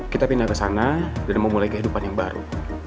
kita pindah ke sana dan memulai kehidupan yang baru